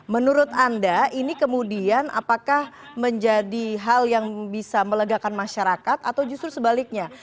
menurut anda ini kemudian apakah menjadi hal yang bisa melegakan masyarakat atau justru sebaliknya